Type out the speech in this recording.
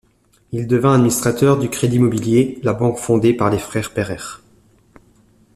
Il devint administrateur du Crédit mobilier, la banque fondée par les frères Pereire.